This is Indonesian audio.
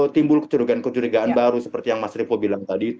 timbul kecurigaan baru seperti yang mas repo bilang tadi